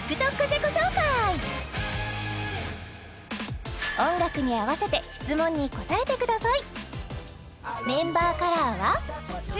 まずは音楽に合わせて質問に答えてください！